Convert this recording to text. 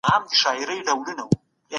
ډیپلوماسي باید د هېواد د سرحدونو ساتونکې وي.